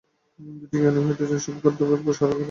যদি জ্ঞানী হইতে চান, সর্বপ্রকার দুর্বলতা পরিহার করুন।